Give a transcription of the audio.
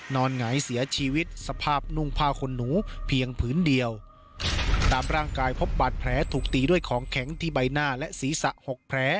หงายเสียชีวิตสภาพนุ่งผ้าคนหนูเพียงผืนเดียวตามร่างกายพบบาดแผลถูกตีด้วยของแข็งที่ใบหน้าและศีรษะหกแผล